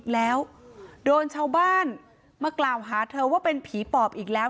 แล้วโดนชาวบ้านมากล่าวหาเธอว่าเป็นผีปอบอีกแล้ว